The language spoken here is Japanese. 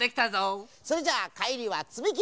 それじゃあかえりはつみき